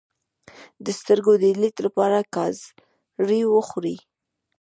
د سترګو د لید لپاره ګازرې وخورئ